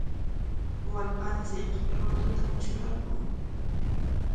Wallpanchik runtutam trurarqun.